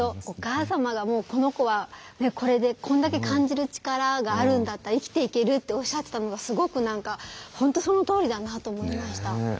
お母様が「この子はこれでこんだけ感じる力があるんだったら生きていける」っておっしゃってたのがすごく何か本当そのとおりだなと思いました。